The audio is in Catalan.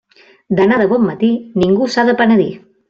D'anar de bon matí, ningú s'ha de penedir.